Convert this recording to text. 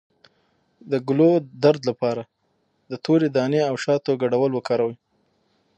د ګلو درد لپاره د تورې دانې او شاتو ګډول وکاروئ